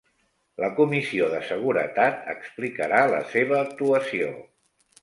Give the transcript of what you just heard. La Comissió de Seguretat explicarà la seva actuació